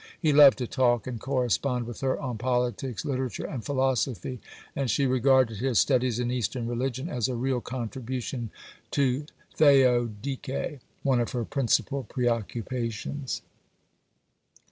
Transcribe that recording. He loved to talk and correspond with her on politics, literature, and philosophy, and she regarded his studies in Eastern religion as a real contribution to "theodikë," one of her principal preoccupations.